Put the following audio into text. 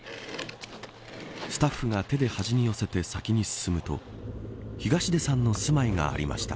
スタッフが手で端に寄せて先に進むと東出さんの住まいがありました。